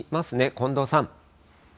近藤さん。